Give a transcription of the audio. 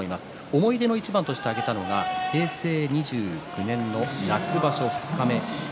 思い出の一番だと上げたのが平成２９年の夏場所二日目。